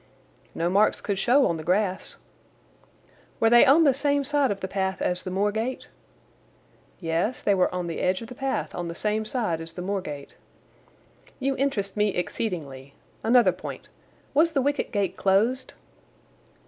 "No marks could show on the grass." "Were they on the same side of the path as the moor gate?" "Yes; they were on the edge of the path on the same side as the moor gate." "You interest me exceedingly. Another point. Was the wicket gate closed?"